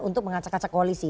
untuk mengacak acak koalisi